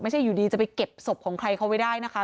อยู่ดีจะไปเก็บศพของใครเขาไว้ได้นะคะ